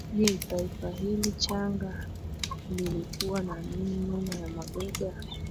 Je Taifa hili changa lilikuwa na nini nyuma ya mabega